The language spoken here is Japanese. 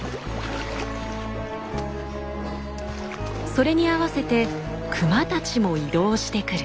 それに合わせてクマたちも移動してくる。